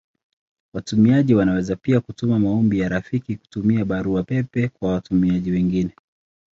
Watumiaji wanaweza pia kutuma maombi ya rafiki kutumia Barua pepe kwa watumiaji wengine.